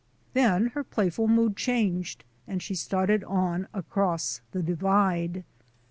Then her playful mood changed and she started on across the Divide.